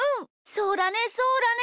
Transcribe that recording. そうだねそうだね！